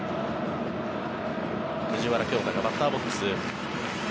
藤原恭大がバッターボックス。